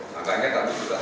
makanya kami berharap